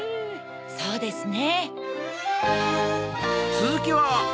そうですね。